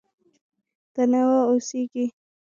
تنوع اوسېږي.